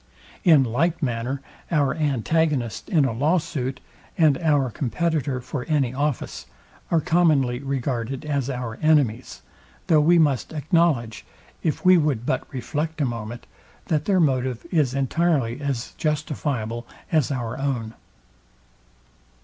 In like manner our antagonist in a law suit, and our competitor for any office, are commonly regarded as our enemies; though we must acknowledge, if we would but reflect a moment, that their motive is entirely as justifiable as our own.